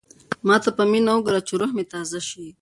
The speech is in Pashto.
ما ته په مینه وګوره چې روح مې تازه شي.